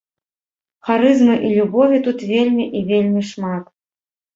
Харызмы і любові тут вельмі і вельмі шмат.